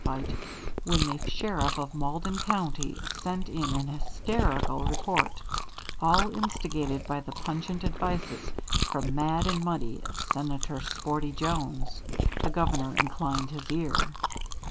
fight, when the sheriff of Malden County sent in an hysterical report, all instigated by the pungent advices from mad and muddy Senator Sporty Jones the Governor inclined his ear.